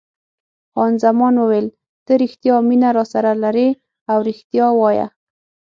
خان زمان وویل: ته رښتیا مینه راسره لرې او رښتیا وایه.